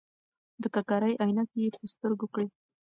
د ککرۍ عینکې یې په سترګو کړې.